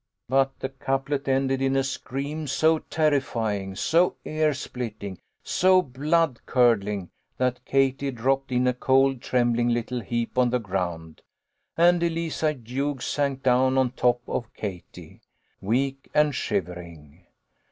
But the couplet ended in a scream, so terrifying, so ear splitting, so blood curdling, that Katie dropped in a cold, trembling little heap on the ground, and Eliza Hughes sank down on top of Katie, weak and shivering.